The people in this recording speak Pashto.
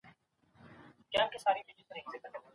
د پښتو ژبي دپاره مي یو نوی پلان جوړ کړی دی